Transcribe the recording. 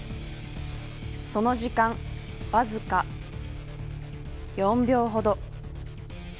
その時間わずか４秒ほど。